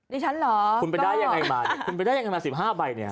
ดิฉันเหรอก็คุณไปได้อย่างไรมาคุณไปได้อย่างไรมา๑๕ใบเนี่ย